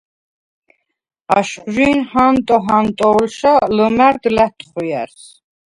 აშხვჟი̄ნ ჰანტო ჰანტო̄ლშა ლჷმა̈რდ ლა̈თხვიარს.